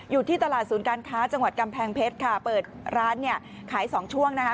อยู่ที่ตลาดศูนย์การค้าจังหวัดกำแพงเพชรค่ะเปิดร้านเนี่ยขายสองช่วงนะคะ